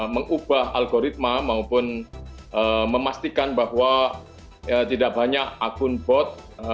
mengubah algoritma maupun memastikan bahwa tidak banyak akun bot